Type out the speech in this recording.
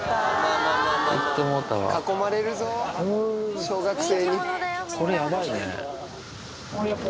囲まれるぞ小学生に。